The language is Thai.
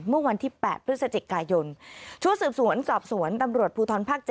เมื่อวันที่๘พฤศจิกายนชุดสืบสวนสอบสวนตำรวจภูทรภาค๗